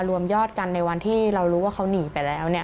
รวมยอดกันในวันที่เรารู้ว่าเขาหนีไปแล้ว